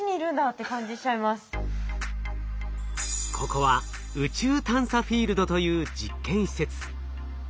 ここは宇宙探査フィールドという実験施設。